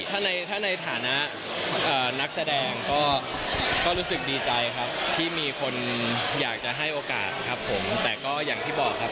ถ้าในฐานะนักแสดงก็รู้สึกดีใจครับที่มีคนอยากจะให้โอกาสครับผมแต่ก็อย่างที่บอกครับ